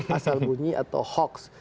asal bunyi atau hoax